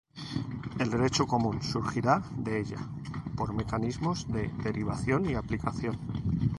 El derecho común surgirá de ella por mecanismos de derivación y aplicación.